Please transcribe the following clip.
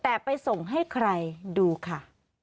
แต่ไปส่งให้ใครดูค่ะ